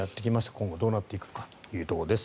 今後どうなっていくのかというところです。